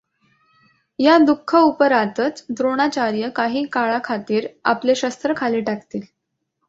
या दुखःउपरांतच द्रोणाचार्य काही काळाखातिर आपले शस्त्र खाली टाकतील.